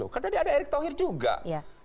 kan tadi ada erick thohir juga